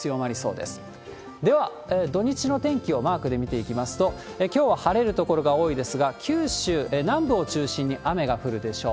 では、土日の天気をマークで見ていきますと、きょうは晴れる所が多いですが、九州南部を中心に雨が降るでしょう。